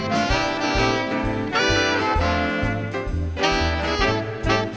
จากอีกมากมาย